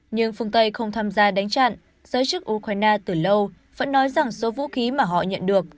nhưng phương tây không tham gia đánh chặn giới chức ukraine từ lâu vẫn nói rằng số vũ khí mà họ nhận được